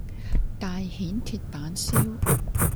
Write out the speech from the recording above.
大蜆鐵板燒